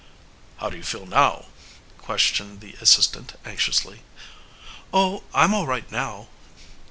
"How do you feel now?" questioned the assistant anxiously. "Oh, I'm all right now."